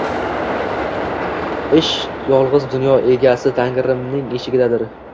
Ish yolg’iz dunyo egasi Tangrining eshigidadir”.